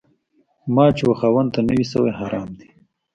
مال چي و خاوند ته نه وي سوی، حرام دی